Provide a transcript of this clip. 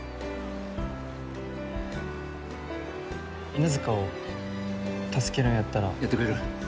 犬塚を助けるんやったらやってくれる？